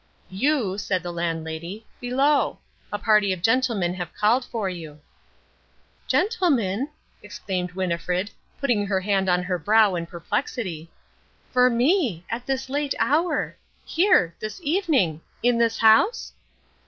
"You," said the Landlady, "below. A party of gentlemen have called for you." "Gentlemen," exclaimed Winnifred, putting her hand to her brow in perplexity, "for me! at this late hour! Here! This evening! In this house?"